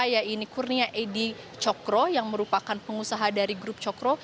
yaitu kurnia edy cokro yang merupakan pengusaha dari grup cokro